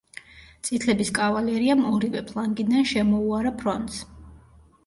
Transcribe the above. წითლების კავალერიამ ორივე ფლანგიდან შემოუარა ფრონტს.